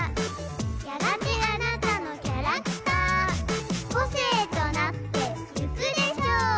「やがてあなたのキャラクター」「個性となっていくでしょう！」